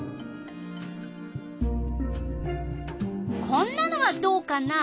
こんなのはどうかな。